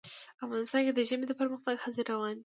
افغانستان کې د ژمی د پرمختګ هڅې روانې دي.